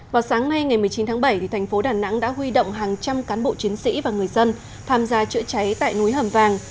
vào sáng nay ngày một mươi chín tháng bảy thành phố đà nẵng đã huy động hàng trăm cán bộ chiến sĩ và người dân tham gia chữa cháy tại núi hầm vàng